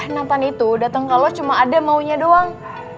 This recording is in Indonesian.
nantan itu dateng ke lo cuma ada maunya doang